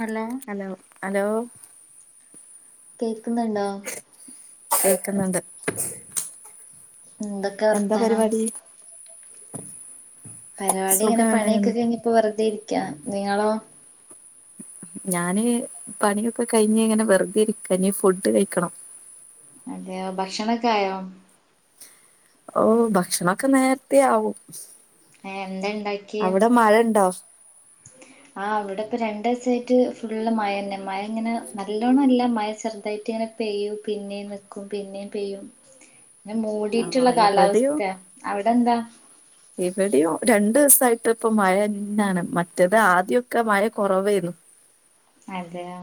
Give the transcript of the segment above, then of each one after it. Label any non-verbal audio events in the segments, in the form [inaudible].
Hello hello hello കേക്കുന്നുണ്ടോ കേക്കുന്നുണ്ട് എന്തൊക്കെ എന്താ വർത്താനം പരിപാടി പരിപാടി ഇങ്ങനെ സുഖാണ് പണിയൊക്കെ കഴിഞ്ഞിപ്പോ വെറുതെ ഇരിക്ക നിങ്ങളോ ഞാന് പണിയൊക്കെ കഴിഞ്ഞ് ഇങ്ങനെ വെറുതെരിക്ക ഇനി ഫുഡ് കഴിക്കണം അതെയോ ഭക്ഷണൊക്കെ ആയോ ഓഹ് ഭക്ഷണൊക്കെ നേരത്തെ ആവും ഏഹ് എന്താണ്ടാ അവിടെ മഴ ഇണ്ടോ ആഹ് ഇവിടെ ഇപ്പ രണ്ടിസായിട്ട് ഫുള്ള് മഴ തന്നെ മഴ ഇങ്ങനെ നല്ലോണം ഇല്ല മഴ ചെറുതായിട്ട് ഇങ്ങനെ പെയ്യൂ പിന്നേം നിക്കും പിന്നേം പെയ്യും ആ മൂടിയിട്ടുള്ള ഇവിടെയും കാലാവസ്ഥയാ അവിടെ എന്താ ഇവിടെയും രണ്ട് ദിവസായിട്ട് ഇപ്പ മഴ അതാണ് മറ്റേത് ആദ്യക്കെ മഴ കുറവേരുന്നു അതെയൊ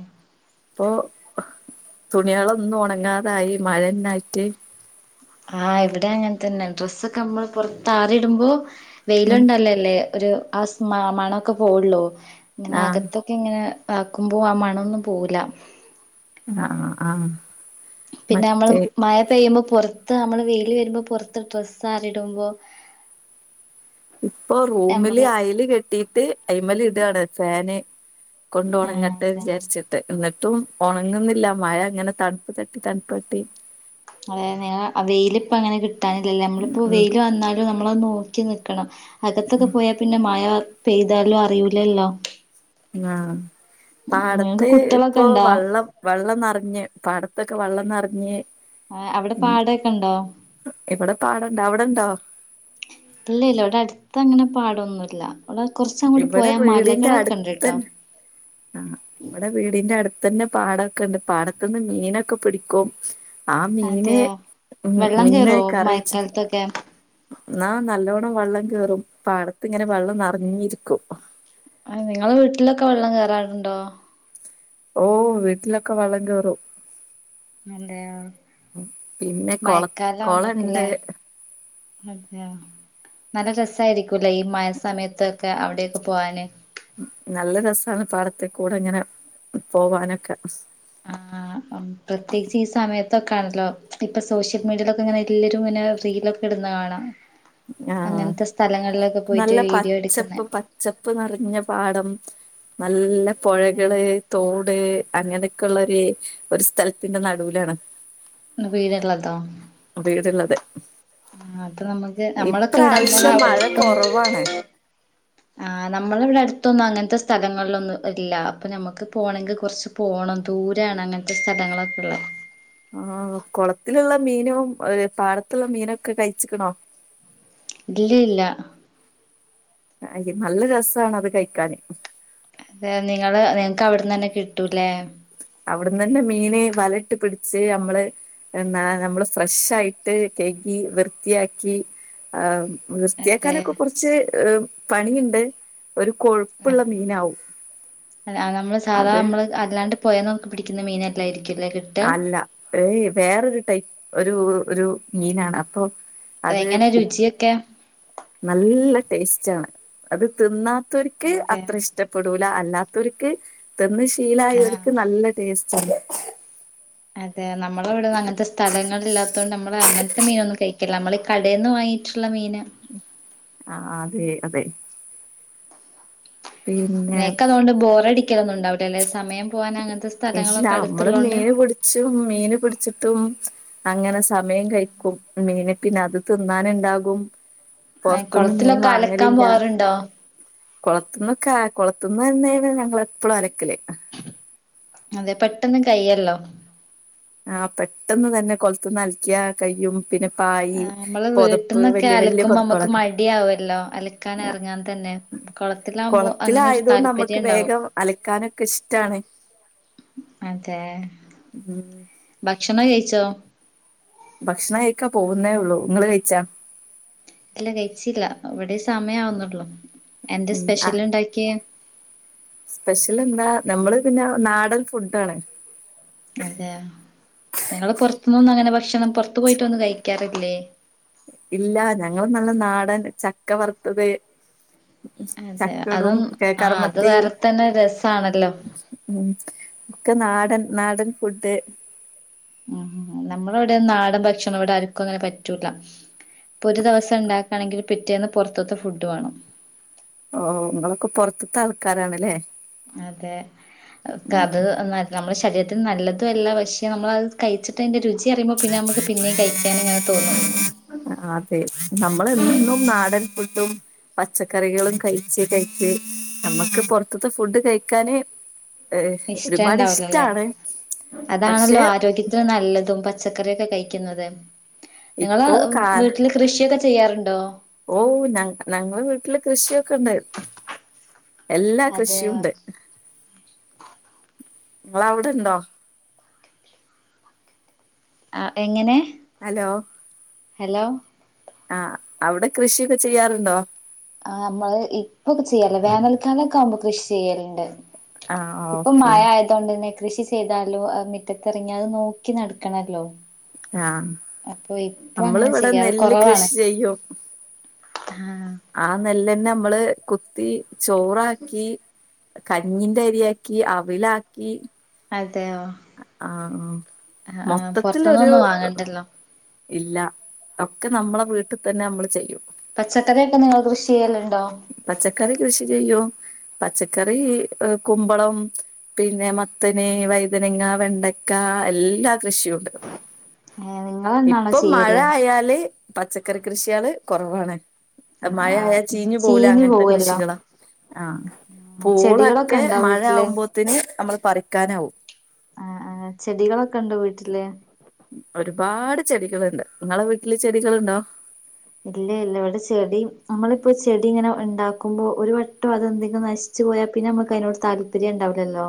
ഇപ്പൊ തുണികളൊന്നും ഉണങ്ങാതായി മഴന്നായിട്ട് ആഹ് ഇവിടെ അങ്ങനെ തന്നെ ഡ്രസ്സൊക്കെ നമ്മൾ പുറത്താറിടുമ്പോ ഉം വെയിലുണ്ടല്ലേ അല്ലെ ഒരു ആ സ്മെ മണൊക്കെ പോവുള്ളൂ അങ്ങനെ ആ അകത്തൊ ക്കെ ഇങ്ങനെ ആക്കുമ്പോ ആ മണൊന്നും പോവില്ല ആഹ് ആഹ് ആഹ് പിന്നെ നമ്മള് മഴ പെയ്യുമ്പോ പുറത്ത് നമ്മള് വെയില് വരുമ്പോ പുറത്ത് ഡ്രെസ്സാറിടുമ്പോ ഇപ്പൊ റൂമില് നമ്മള് അയല് കെട്ടിട്ട് ഐമേല് ഇടാണ് ഫാന് കൊണ്ട് ആഹ് ഉണങ്ങട്ടെന്ന് വിചാരിച്ചിട്ട് എന്നി ട്ടും ഉണങ്ങുന്നില്ല മഴ ഇങ്ങനെ തണുപ്പ് തട്ടി തണുപ്പ് തട്ടി അതായത് വെയിലിപ്പ അങ്ങനെ കിട്ടാനില്ലല്ലേ നമ്മളിപ്പോ ഉം വെയില് വന്നാലും നമ്മളത് നോക്കി നിക്കണം അകത്തൊക്കെ പോയാ പിന്നെ മഴ പെയ്താലും അറിയൂലല്ലോ ആഹ് ഉം നിങ്ങക്ക് പാടത്ത് കുട്ടികളൊക്കെ ഇപ്പൊ ഉണ്ടോ വള്ളം വെള്ളം നറഞ്ഞ് പടത്തൊക്കെ വെള്ളം നറഞ്ഞ് ആഹ് അവ്ടെ പാടേക്കെണ്ടാേ? ഇബ്ടെ പാടണ്ട് അവ്ടെണ്ടോ? ഇല്ല ഇല്ല ഇവ്ടെ അട്ത്തങ്ങനെ പാടൊന്നുല്ലാ ഇവ്ടെ കൊറച്ച് അങ്ങോട്ട് ഇവിടെ പോയാ വീടിന്റെ മലകളൊക്കെണ്ട്ട്ടോ അടുത്തന്നെ ആഹ് ഇവ്ടെ വീടിന്റെ അട്ത്തന്നെ പാടൊക്കെണ്ട് പാടത്ത്ന്ന് മീനൊക്കെ പിടിക്കും ആ മീന് അതെയോ ഉം വെള്ളം മീന് കേറുവോ കറി വെച്ച് മഴക്കാലത്തൊക്കെ ന്നാ നല്ലോണം വള്ളം കേറും പാടത്ത്ങ്ങനെ വള്ളം നറഞ്ഞിരിക്കും ആഹ് നിങ്ങളെ വീട്ടിലൊക്കെ വള്ളം കേറാറ്ണ്ടോ ഓഹ് വീട്ട്ലൊക്കെ വള്ളം കേറും അതെയൊ പിന്നെ കൊള മയക്കാലാവുമ്പോക്ക് കൊളണ്ട് ല്ലേ അതെയോ നല്ല രസായിരിക്കുലേ ഈ മഴ സമയത്തൊക്കെ അവിടെയൊക്കെ പോവാന് നല്ല രസാണ് പാടത്ത് കൂടെങ്ങെനെ പോവാനൊക്കെ ആഹ് ഉം പ്രത്യേകിച്ച് ഈ സമയത്തൊക്കെ ആണല്ലോ ഇപ്പൊ സോഷ്യൽ മീഡിയയിലൊക്കെ ഇങ്ങനെ എല്ലരുംങ്ങനെ റീലൊ ക്കെട്ന്നെ കാണാ ആഹ് അങ്ങൻത്തെ സ്ഥലങ്ങളിലൊക്കെ പോയിട്ട് നല്ല വീഡിയോ എട്ക്ക്ന്നെ പച്ചപ്പ് പച്ചപ്പ് നിറഞ്ഞ പാടം നല്ല അതെ പൊഴകള് താേ ട് അങ്ങനക്കെള്ളൊര് ഒരു സ്ഥലത്തിന്റെ നടൂലാണ് ന്ന് വെയ്ല്ള്ളട്ടോ വീട്ള്ളത് ആഹ് അപ്പ നമ്ക്ക് നമ്മളൊക്കെ ഇവിടെ ഇപ്രാവശ്യം മഴ [unintelligible] അവർക്കും കൊറവാണ് ആഹ് നമ്മളെവ്ടെ അട്ത്തൊന്നും അങ്ങൻത്തെ സ്ഥലങ്ങളിലൊന്നും ഇല്ല അപ്പൊ ഞമ്മക്ക് പോണെങ്കി കൊർച്ച് പോണം ദൂരാണ് അങ്ങൻത്തെ സ്ഥലങ്ങളൊക്കെള്ളെ ആഹ് കാെളത്ത്ല്ള്ള മീനും പാടത്ത്ള്ള മീനൊക്കെ കയ്ച്ച്ക്ക്ണോ ഇല്ലഇല്ല അ നല്ല രസാണ് അത് കയ്ക്കാന് ഏപ് നിങ്ങള് നിങ്ങക്ക് അവിട്ന്നന്നെ കിട്ടുലേ അവ്ട്ന്നന്നെ മീന് വലട്ട് പിട്ച്ച് ഞമ്മള് എണ്ണാ നമ്മള് ഫ്രഷായ്ട്ട് കയ്കി വൃത്തിയാക്കി ആഹ് അതെ വൃത്തിയാക്കാനൊക്കെ കൊർച്ച് ഏഹ് പണിയ്ണ്ട് ഒര് കൊഴ്പ്പ്ള്ള മീനാവും നമ്മള് സാധാ അത് നമ്മള് അല്ലാണ്ട് ഇപ്പ പോയാ നമുക്ക് പിടിക്കുന്ന മീനെയല്ലായിരിക്കുംല്ലേ കി അല്ല. ഏയ് വേറൊരു ടൈപ്പ് ഒരു ഒരു മീനാണ്. അപ്പൊ അത് എങ്ങനെ രുചിയക്കെ? നല്ല ടേസ്റ്റ് ആണ്. അത് തിന്നാത്തവർക്ക് അതെ അത്ര ഇഷ്ട ഇഷ്ടപ്പെടൂല. അല്ലാത്തവർക്ക് തിന്ന് ആഹ് ശീലായവർക്ക് നല്ല ടേസ്റ്റാണ്. അതെ നമ്മള് ഇവിട അങ്ങനത്തെ സ്ഥലങ്ങളൾ ഇല്ലാത്ത കൊണ്ട് നമ്മൾ അങ്ങനത്ത മീനൊന്നും കഴിക്കില്ല നമ്മള് ഈ കടേന്ന് വാങ്ങി റ്റുള്ള മീന്. ആ അതെ അതെ. പിന്നെ നിങ്ങക്ക് അതുകൊണ്ട് ബോറ ടിക്കലൊന്നും ഉണ്ടാവില്ല അല്ലെ സമയം പോകാനങ്ങനത്തെ ഇല്ല സ്ഥലങ്ങളൊക്കെ നമ്മള് അടുത്തുള്ളോണ്ട്. [unintelligible] മീന് പിടിച്ചിട്ടും അങ്ങനെ സമയം കഴിക്കും. മീന പിന്നെ അത് തിന്നാനുണ്ടാകും പൊറത്തൊന്നും മീൻ കുളത്തിലൊക്കെ അലക്കാൻ വാങ്ങലില്ല. പോവാറുണ്ടോ കൊളത്തന്നൊക്ക കൊളത്തുന്ന് തന്ന ഞങ്ങ എപ്പളും അലക്കല്. അതെ പെട്ടെന്നും കയ്യേല്ലോ. ആ പെട്ടെന്ന് തന്നെ കൊലത്ത്ന്ന് അൽക്കിയ കയ്യും. പിന്നെ പായ് നമ്മള് പൊതപ്പ് വീട്ടിൽന്നൊക്കെ വല്യ വല്യ അലക്കുമ്പോ നമ്മുക്ക് പൊതപ്പുകളൊക്കെ മടിയാവല്ലോ അലക്കാൻ ആ ഇറങ്ങാൻ തന്നെ [inaudible] കുളത്തിലാകുമ്പോ അങ്ങനെ ഒരു കൊളത്തിലായത് കൊണ്ട് നമ്മക്ക് താല്പര്യം ഉണ്ടാവും വേഗം അലക്കാനക്കെ ഇഷ്ടാണ്. അതെ ഉം ഭക്ഷണം കയിച്ചോ? ഭക്ഷണം കയിക്കാ പോകുന്നേ ഉള്ളൂ നിങ്ങള് കയിച്ചാ? ഇല്ല കയിച്ചില്ല. ഇവിടെ സമയാവുന്നൊള്ളു എന്ത് ഉം ആ സ്പെഷ്യല് ഉണ്ടാക്കിയേ? സ്പെഷ്യൽ എന്താ? നമ്മള് പിന്ന നാടൻ ഫുഡ് ആണ്. അതെ നിങ്ങള് പൊറത്തുന്നൊന്നും അങ്ങനെ ഭക്ഷണം പൊറത്ത് പോയിട്ടൊന്നും കഴിക്കാറില്ലേ? ഇല്ല ഞങ്ങൾ നല്ല നാടൻ ചക്ക വറുത്തത് അതെ ചക്കടും അതും ആ അത് കർമ്മത്തി വേറെ തന്നെ രസാണല്ലോ. ഉം ഒക്കെ നാടൻ നാടൻ ഫുഡ്. ഉം നമ്മള ഇവിടെ നാട ഭക്ഷണം ഇവിടെ ആര്ക്കും അങ്ങനെ പറ്റൂല. ഇപ്പൊ ഒരു ദിവസം എ ണ്ടാക്കാണെങ്കിൽ പിറ്റേന്ന് പുറത്തത്തെ ഫുഡ് വേണം. ഓ നിങ്ങളൊക്കെ പൊറത്തത്ത ആൾക്കാരാണല്ലേ? അതെ അ ഉം കത് നമ്മട ശരീരത്തിന് നല്ലതു അല്ല പക്ഷെ നമ്മളത് കഴിച്ചിട്ട്തിന്റെ രുചി അറി യുമ്പോ പിന്നെ നമക്ക് പിന്നേം കഴിക്കാനിങ്ങനെ തോന്നും. അതെ നമ്മൾ എന്നും നാടൻ ഫുഡും പച്ചക്കറികളും കയിച്ച് കയിച്ച് നമ്മക്ക് പൊറത്തത്തെ ഫുഡ് കഴിക്കാനെ ഏ ഇഷ്ടം ഒരുപാട് ഉണ്ടാവില്ലല്ലേ ഇഷ്ടാണ്. പക്ഷെ [unintelligible] ല്ലതും പച്ചക്കറീക്കെ കഴിക്കുന്നത്. നിങ്ങള് ഇപ്പോ കാ വീട്ടില് കൃഷിയൊക്കെ ചെയ്യാറുണ്ടോ? ഓ ഞ ഞങ്ങള് വീട്ടില് കൃഷിയൊക്കെ ഒണ്ട്. എല്ലാ അതെ കൃഷീ ഉണ്ട്. നിങ്ങള അവിടെണ്ടോ? അ എങ്ങനെ? ഹലോ? ഹലോ? ആഹ് അവ്ടെ കൃഷിയൊക്കെ ചെയ്യാറ്ണ്ടോ? ആഹ് മ്മള് ഇപ്പൊക്കെ ചെയ്യൽല്ല വേനൽ ക്കാലൊക്കെ ആവുമ്പോ കൃഷി ചെയ്യല്ണ്ട് ആഹ് ഇപ്പം ഓക്കെ മഴയാ താേണ്ടെന്നെ കൃഷി ചെയ്താലും അത് മിറ്റത്തെർങ്ങി അത് നോക്കി നട്ക്കണല്ലോ ആ അപ്പോയി നമ്മള് ഇവിടെ നെല്ല് കൃഷി ചെയ്യും. ആ ആ നെല്ലന്നെ നമ്മള് കുത്തി ചോറാക്കി കഞ്ഞീന്റെ അരിയാക്കി. അവിലാക്കി. അതെയോ? ആ ആഹ് ആഹ് മൊത്തത്തിലൊരു പുറത്തുനിന്നൊന്നും വാങ്ങണ്ടല്ലോ ഇല്ല ഒക്കെ നമ്മള വീട്ടി തന്നെ നമ്മള് ചെയ്യും പച്ചക്കറിയൊക്കെ നിങ്ങള് കൃഷി ചെയ്യല്ണ്ടോ? പച്ചക്കറി കൃഷി ചെയ്യും പച്ചക്കറീ കുമ്പളം പിന്നെ മത്തന് വൈതനങ്ങ വെണ്ടക്ക എല്ലാ കൃഷിയുണ്ട് ഏഹ് നിങ്ങളെന്നാണോ ഇപ്പം ചെയ്യല് മഴായാല് പച്ചക്കറി കൃഷ്യാള് കൊറവാണ് ആഹ് മഴായാ ചീഞ്ഞ് പോവൂലേ ചീഞ്ഞു അങ്ങൻത്തെ പോവല്ലോ കൃഷികളാ ആഹ് ചെടികളൊക്കെ പൂളൊക്കെ ഉണ്ടോ മഴ വീട്ടില് ആവുമ്പോത്ത്ന് നമ്മള് പറിക്കാനാവും ആഹ് ആഹ് ചെടികളൊക്കെണ്ടോ വീട്ട്ല് ഒര്പാട് ചെടികള്ണ്ട് ഇങ്ങളെ വീട്ട്ല് ചെടികള്ണ്ടാേ ഇല്ല ഇല്ല ഇവടെ ചെടിം നമ്മളിപ്പോ ചെടി ഇങ്ങനെ ഇണ്ടാക്കുമ്പോ ഒര് വ ട്ടം അതെന്തിലും നശ്‌ച്ച് പോയാ പിന്നെ നമുക്ക് അയ്നോട് താല്പര്യണ്ടാവ്‌ലല്ലോ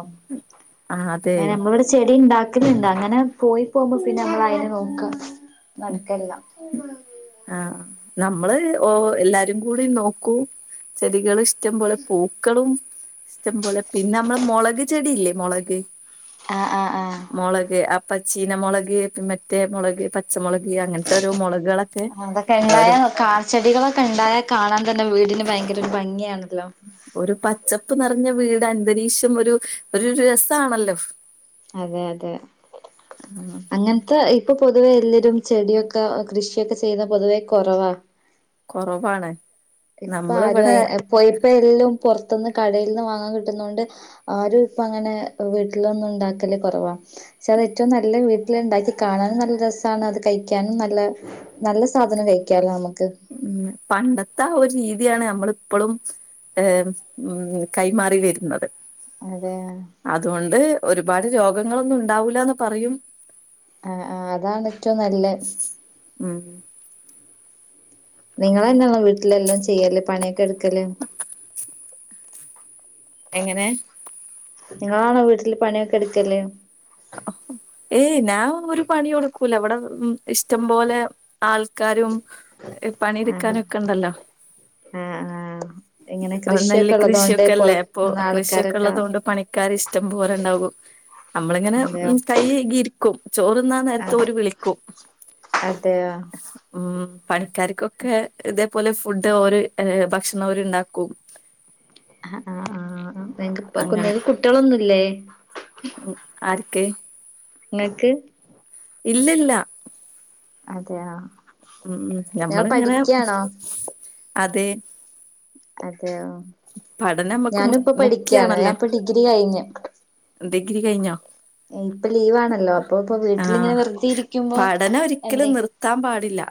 ആഹ് അതെ ഏഹ് നമ്മളാെര് ചെടിണ്ടാ ക്കല്ണ്ട് അങ്ങനെ പോയി പോവുമ്പോ പിന്നെ നമ്മളയ്നെ നോക്കാ നട്ക്കെല്ലാ ആഹ് നമ്മള് ഓഹ് എല്ലാരും കൂടി നോക്കൂ ചെടികള്ഷ് ഇഷ്ടം പോലെ പൂക്കളും ഇഷ്ടം പോലെ പിന്നെ നമ്മളെ മൊളക് ചെടില്ലേ മൊളക് ആഹ് ആഹ് ആഹ് മൊളക് അപ്പച്ചീന മൊളക് മറ്റേ മൊളക് പച്ച മൊള ക് അങ്ങൻത്താേരാേ മൊളക് കളൊക്കെ അതൊക്കെ ഉണ്ടായ ഒരു കാ ചെടികളൊക്കെ ഇണ്ടായാൽ കാണാൻ തന്നെ വീടിന് ഭയങ്കര ഒരു ഭംഗിയാണല്ലോ. ഒരു പച്ചപ്പ് നിറഞ്ഞ വീട് അന്തരീക്ഷം ഒരു ഒരു രസാണല്ലോ അതെ അതെ ആഹ് അങ്ങ [unintelligible] ഇപ്പൊ പൊതുവെ എല്ലരും ചെടിയൊക്കെ കൃഷിയൊക്കെ ചെയ്ത പൊതുവെ കൊറവാ കൊറവാണ്. ഇപ്പ ആരും നമ്മളിവിടെ എ ഇപ്പൊ ഇപ്പം എല്ലോം പൊറത്തുന്ന് കടയിൽ നിന്ന് വാങ്ങാൻ കിട്ടുന്നൊണ്ട് ആരും ഇപ്പ അങ്ങനെ വീട്ടിലൊന്നും ഉണ്ടാക്കല് കൊറവാ പക്ഷെ അത് ഏറ്റവും നല്ല വീട്ടില് ഇണ്ടാക്കി കാണാനും നല്ല രസാണ് അത് കഴിക്കാനും നല്ല നല്ല സാധനം കഴിക്കാല്ലോ നമുക്ക് മ്ഹ് പണ്ടത്തെ ആ ഒരു രീതിയാണെ നമ്മള് ഇപ്പളും ഏഹ് ഉം കൈമാറി വരുന്നത്. അതെ ആഹ്. അതുകൊണ്ട് ഒരുപാട് രോഗങ്ങളൊന്നും ഉണ്ടാവൂലാന്ന് പറയും ആഹ് ആഹ് അതാണ് ഏറ്റവും നല്ല മ്ഹ് നിങ്ങന്നാണോ വീട്ടിലെല്ലാം ചെയ്യല് പണിയൊക്കെ എടുക്കല് എങ്ങനെ നിങ്ങളാണോ വീട്ടില് പണിയൊക്കെ എടുക്കല് ഏയ് ഞാൻ ഒരു പണിയും എടുക്കൂല ഇവിട ഉം ഇഷ്ടം പോലെ ആൾക്കാരും ആഹ് പണിയെടുക്കാനൊക്കെ ഉണ്ടല്ലോ ആഹ് ആഹ് ഇങ്ങനെ അത് നെല്ല് കൃഷിയൊക്കെ ഉള്ളതുകൊണ്ട് കൃഷിയൊക്കെ അല്ലേ അപ്പൊ പുറത്തുന്ന് കൃഷിയൊക്കെ ആൾക്കാരൊക്കെ ഉള്ളത് കൊണ്ട് പണിക്കാര് ഇഷ്ടം പോലെ ഉണ്ടാകും. നമ്മളിങ്ങനെ അതെയോ കൈ [unintelligible] ഇരിക്കും ചോറ് തിന്നാൻ നേരത്ത് ഓരു വിളിക്കും. അതെയൊ ഉം പണിക്കാർക്കൊക്കെ ഇതേപോലെ ഫുഡ് ഓര് ഏഹ് ഭക്ഷണം അവര് ഇണ്ടാക്കും ഹ ആഹ് ആഹ് ആഹ് [unintelligible] കുട്ടികളൊന്നും ഇല്ലേ ഉം ആർക്ക് ഇങ്ങക്ക്. ഇല്ലില്ല. അതെയാ. മ്ഹ് മ്ഹ് ഞമ്മളിങ്ങനെ അതെ. അതെയോ പഠനം നമ്മുക്ക് മു ഞാനിപ്പൊ പഠിക്കാണ് മുഖ്യാണല്ലോ ഞാൻ ഇപ്പൊ ഡിഗ്രി കഴിഞ്ഞു. ഡിഗ്രി കയിഞ്ഞോ? ഇപ്പൊ ലീവാണല്ലോ അപ്പൊ ഇപ്പൊ ആഹ് വീട്ടിലിങ്ങനെ വെറുതെ ഇരിക്കുമ്പോ പഠനം ഒരിക്കലും എന്തെ നിർത്താൻ പാടില്ല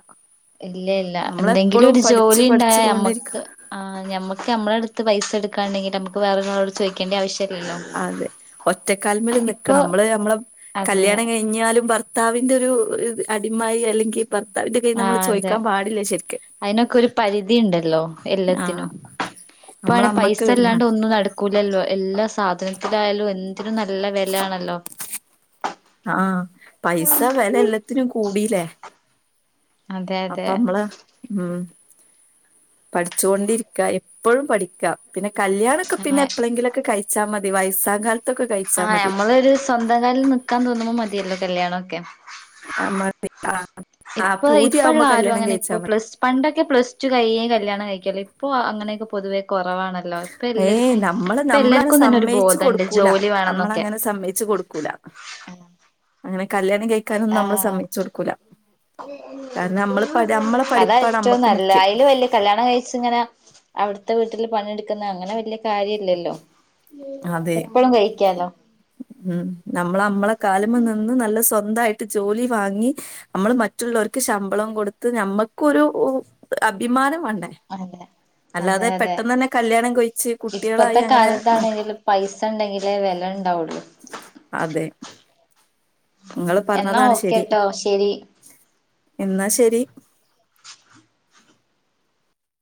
ഇല്ല ഇല്ല എന്തെങ്കിലും നമ്മളെപ്പോഴും ഒരു പഠിച്ചു ജോലി ഉണ്ടായ പഠിച്ചു നമ്മക്ക്. കൊണ്ടിരിക്കണം ആഹ് നമ്മക്ക് നമ്മളടുത്ത് പൈസ എടുക്കാണ്ടെങ്കി നമുക്ക് വേറൊരാളോട് ചോയിക്കേണ്ട ആവശ്യല്ലല്ലോ. അതെ ഒറ്റക്കാല് മേല് ഇപ്പൊ നിക്കണം നമ്മള് നമ്മളെ അതെ കല്യാണം കഴിഞ്ഞാലും ഭർ [unintelligible] ഒരു അടിമായി അല്ലെങ്കി ഭർത്താവിന്റെ കയ്ന്ന് നമ്മള് ചോയിക്കാൻ പാടില്ല ശരിക്ക് അയിനൊക്കെ ഒരു പരിധിയുണ്ടല്ലോ ആഹ് എല്ലാത്തിനും. നമ്മളെ [unintelligible] പൈസ അമ്മക്ക് ഇല്ലാണ്ട് വരുമാനം ഒന്നും നട [unintelligible] എല്ലാ സാധനത്തിലായാലും എന്തിനും നല്ല വെല ആണല്ലോ. ആഹ് പൈസ വെല എല്ലത്തിനും കൂടിലേ അതെ അതെ അപ്പൊ അമ്മള് ഉം പഠിച്ചോണ്ടിരിക്ക എപ്പഴും പഠിക്ക. പിന്നെ കല്യാണൊക്കെ പിന്നെ അങ്ങനെ എപ്പളെങ്കിലും ഒക്കെ കഴിച്ചാ മതി വയസാം കാല ആഹ് നമ്മള് ഒരു സ്വന്തം കാലില് നിക്കാൻ തോന്നുമ്പോ മതിയല്ലോ കല്യാണൊക്കെ. ആഹ് മതി ആഹ് ആഹ് ഇപ്പൊ ഇപ്പള്ള പൂതിയാവുമ്പോ ആരും കല്യാണം അങ്ങനെ ഇപ്പൊ കഴിച്ചാ മ പ്ലസ് പണ്ടൊക്കെ പ്ലസ്ടു കഴിയേ കല്ല്യാണം കഴിക്കല്. ഇപ്പോ അങ്ങനെയൊക്കെ പൊതുവേ കൊറവാണ്. [unintelligible] ഇപ്പൊ ഏയ് എല്ലർക്കും നമ്മള് ഇപ്പ നമ്മളാണ് എല്ലാർക്കും തന്നെ ഒരു സമ്മയിച്ചു ബോധണ്ട് കൊടുക്കൂല ജോലി വേണന്നൊക്കെ. നമ്മളങ്ങനെ സമ്മയിച്ചു കൊടുക്കൂല അങ്ങനെ കല്യാണം കയിക്കാനൊന്നും നമ്മള് ആഹ് സമ്മയ്ച്ച് കൊടുക്കൂല. കാരണം നമ്മള് പഠി നമ്മളെ അതാ പഠിപ്പാണ് ഏറ്റവും നമ്മക്ക് നല്ല മുഖ്യം അയില് വല്യ കല്യാണം കഴിച്ച് ഇങ്ങനെ അവിടുത്ത വീട്ടില് പണിയെടുക്കുന്ന അങ്ങനെ വല്യ. കാര്യല്ലല്ലോ അതെ എപ്പളും കഴിക്കാലോ. ഉം നമ്മള നമ്മളെ കാല്മ്മ നിന്ന് നല്ല സ്വന്തായിട്ട് ജോലി വാങ്ങി. നമ്മള് മറ്റുള്ളോര്ക്ക് ശമ്പളം കൊടുത്ത് ഞമ്മക്കൊരു അഭിമാനം വാണ്ടേ. അതെ അതെ അല്ലാതെ അതെ പെട്ടെന്നന്നെ കല്യാണം കൊഴിച്ച് കുട്ടേളായി ഇപ്പത്തെ അങ്ങനെ. കാലത്താണെങ്കില് പൈസ ഉണ്ടെങ്കിലേ വെല ണ്ടാവുള്ളൂ. അതെ. എന്നാ നിങ്ങള്പറഞ്ഞതാണ് ശരി ഓക്കേട്ടോ ശരി എന്നാ ശരി.